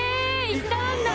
行ったんだ！